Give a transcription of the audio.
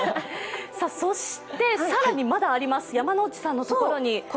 そして更にまだあります、山内さんのそばに。